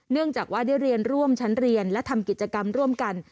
เนื่องจากว่าได้เรียนร่วมชั้นเรียนและทำกิจกรรมร่วมกัน